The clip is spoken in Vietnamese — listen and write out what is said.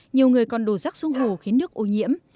nhiều người còn đổ rắc xuống hồ khiến nước ô nhiễm